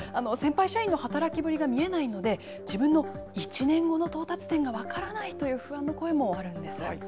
先輩社員の働きぶりが見えないので、自分の１年後の到達点が分からないという不安の声もある